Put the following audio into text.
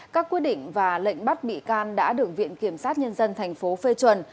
các quyết định và lệnh bắt bị can đã được viện kiểm sát nhân dân thành phố phê chuẩn